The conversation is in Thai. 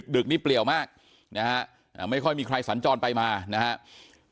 ดึกนี้เปลี่ยวมากนะฮะไม่ค่อยมีใครสัญจรไปมานะครับ